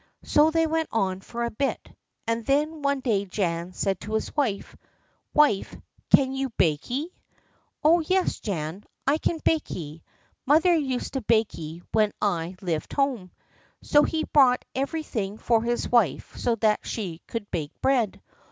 So they went on for a bit, and then one day Jan said to his wife: "Wife, can you bake y?" "Oh, yes, Jan, I can bake y. Mother used to bake y when I lived home." So he bought everything for his wife so that she could bake bread.